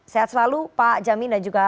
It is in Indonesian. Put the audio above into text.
sehat selalu pak jamin dan juga